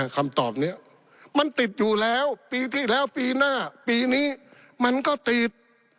คำตอบนี้มันติดอยู่แล้วปีที่แล้วปีหน้าปีนี้มันก็ติด